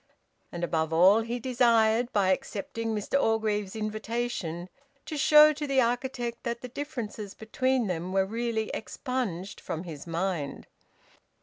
And above all he desired, by accepting Mr Orgreave's invitation, to show to the architect that the differences between them were really expunged from his mind.